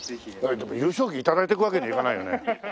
でも優勝旗頂いてくわけにはいかないよね。